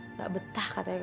enggak betah katanya